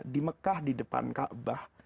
di mekah di depan ka'bah